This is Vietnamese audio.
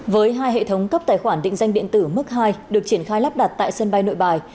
với hai hệ thống cấp tài khoản định danh điện tử mức hai được triển khai lắp đặt tại sân bay nội bài